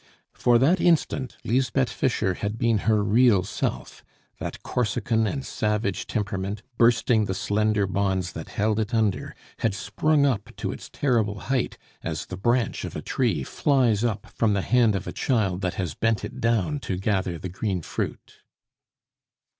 For that instant, Lisbeth Fischer had been her real self; that Corsican and savage temperament, bursting the slender bonds that held it under, had sprung up to its terrible height, as the branch of a tree flies up from the hand of a child that has bent it down to gather the green fruit.